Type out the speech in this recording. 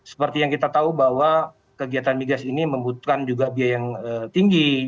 seperti yang kita tahu bahwa kegiatan migas ini membutuhkan juga biaya yang tinggi